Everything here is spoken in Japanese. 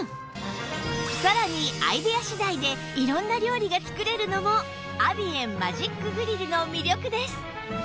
さらにアイデア次第で色んな料理が作れるのもアビエンマジックグリルの魅力です